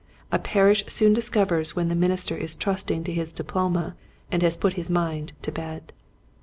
A parish soon dis covers when the minister is trusting to his diploma and has put his mind to bed.